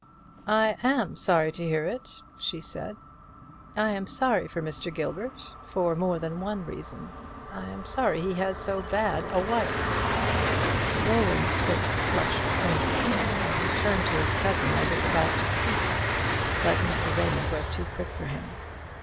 "I am sorry to hear it," she said. "I am sorry for Mr. Gilbert, for more than one reason. I am sorry he has so very bad a wife." Roland's face flushed crimson, and he turned to his cousin as if about to speak; but Mr. Raymond was too quick for him.